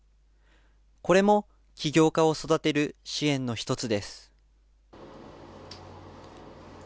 これも起業家を育てる支援の一つです。